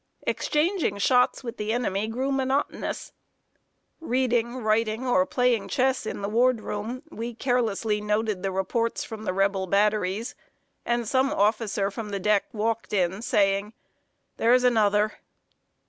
Exchanging shots with the enemy grew monotonous. Reading, writing, or playing chess in the ward room, we carelessly noted the reports from the Rebel batteries, and some officer from the deck walked in, saying: "There's another!"